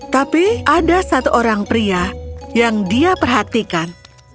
tapi ada satu orang pria yang dia perhatikan